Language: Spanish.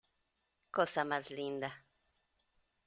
¡ cosa más linda!